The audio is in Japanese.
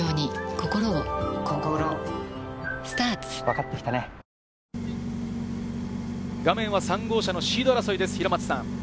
増渕祐香・画面は３号車のシード争いです、平松さん。